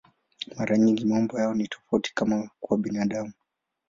Mara nyingi maumbo yao ni tofauti, kama kwa binadamu.